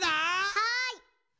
はい！